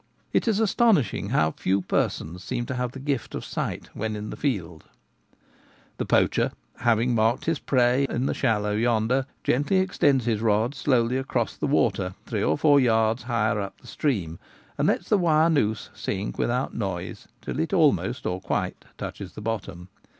It is astonish ing how few persons seem to have the gift of sight when in the field. The poacher, having marked his prey in the shallow yonder, gently extends his rod slowly across the water three or four yards higher up the stream, and lets the wire noose sink without noise till it almost or quite touches the bottom.